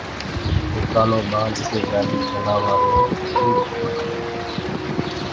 ڍآٽآ دي گآڏي چلآوآ مينٚ لوُڪ ڪونآ لگي۔